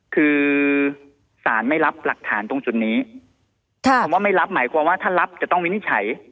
คือสารไม่รับหลักฐานตรงจุดนี้คำว่าไม่รับหมายความว่าถ้ารับจะต้องวินิจฉัย